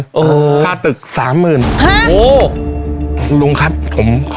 ค่าตึก๓๐๐๐๐บาท